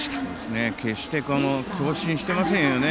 決して強振していませんね。